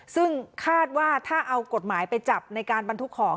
ซึ่งคาดว่าถ้าเอากฎหมายไปจับในการบรรทุกของ